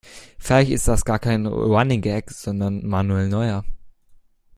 Vielleicht ist das gar kein Running Gag, sondern Manuel Neuer.